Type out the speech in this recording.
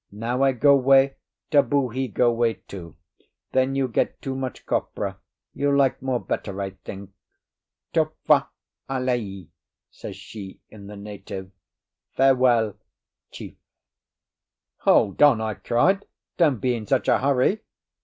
"Now I go 'way, taboo he go 'way too. Then you get too much copra. You like more better, I think. Tofâ, alii," says she in the native—"Farewell, chief!" "Hold on!" I cried. "Don't be in such a hurry."